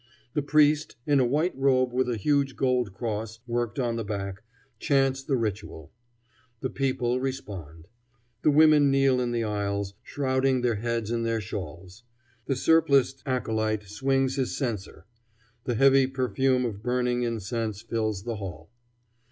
The priest, in a white robe with a huge gold cross worked on the back, chants the ritual. The people respond. The women kneel in the aisles, shrouding their heads in their shawls; the surpliced acolyte swings his censer; the heavy perfume of burning incense fills the hall.